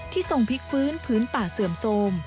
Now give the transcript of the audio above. ทรงพลิกฟื้นพื้นป่าเสื่อมโทรม